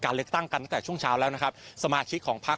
เลือกตั้งกันตั้งแต่ช่วงเช้าแล้วนะครับสมาชิกของพัก